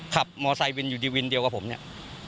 มอไซควินอยู่ดีวินเดียวกับผมเนี่ย